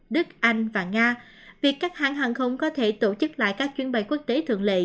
đức anh và nga việc các hãng hàng không có thể tổ chức lại các chuyến bay quốc tế thượng lệ